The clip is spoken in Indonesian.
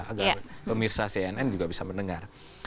agar pemirsa cnn juga bisa mendengar